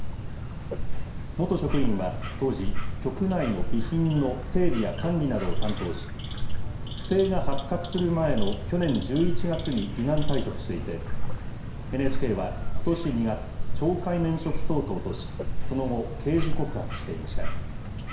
元職員は当時、局内の備品の整備や管理などを担当し、不正が発覚する前の去年１１月に依願退職していて、ＮＨＫはことし２月、懲戒免職相当とし、その後、刑事告発していました。